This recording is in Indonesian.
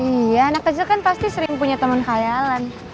iya anak kecil kan pasti sering punya teman khayalan